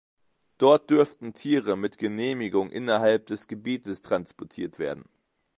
Dort dürfen Tiere mit Genehmigung innerhalb des Gebietes transportiert werden.